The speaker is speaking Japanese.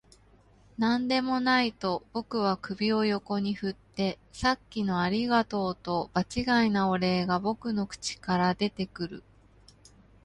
「何でもない」と僕は首を横に振って、「さっきのありがとう」と場違いなお礼が僕の口から出てくる